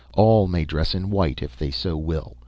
All may dress in white if they so will.